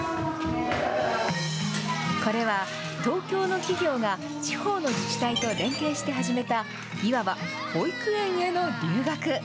これは、東京の企業が、地方の自治体と連携して始めた、いわば保育園への留学。